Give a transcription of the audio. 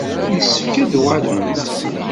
Yessefk ad d-uɣalent.